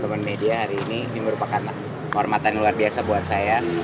teman media hari ini ini merupakan hormatan yang luar biasa buat saya